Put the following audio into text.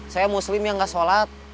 saya muslim yang gak sholat